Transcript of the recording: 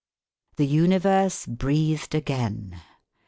The Universe breathed again.